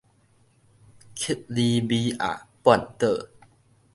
克里米亞半島